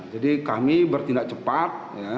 jadi kami bertindak cepat